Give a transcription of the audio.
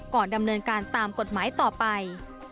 ดำเนินการตามกฎหมายต่อไป